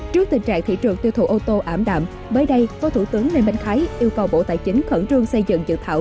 trước tình trạng thị trường tiêu thụ ô tô ảm đạm mới đây phó thủ tướng lê minh khái yêu cầu bộ tài chính khẩn trương xây dựng dự thảo